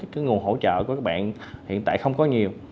cái nguồn hỗ trợ của các bạn hiện tại không có nhiều